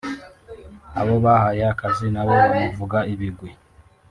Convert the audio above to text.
abo yahaye akazi nabo bamuvuga ibigwi